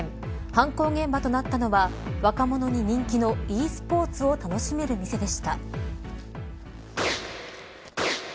犯行現場となったのは若者に人気のｅスポーツを楽しめる店でした。